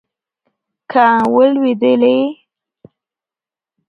که ولوېدلې